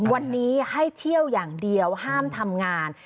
วันนี้ให้เที่ยวอย่างเดียวห้ามทำงาน